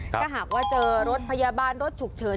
ถ้าหากว่าเจอรถพยาบาลรถฉุกเฉิน